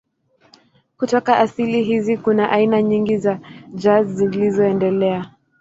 Kutoka asili hizi kuna aina nyingi za jazz zilizoendelea.